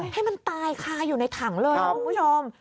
ให้มันตายคาอยู่ในถังเลยนะคุณผู้ชม